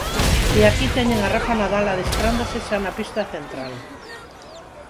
E aquí teñen a Rafa Nadal adestrándose xa na pista central.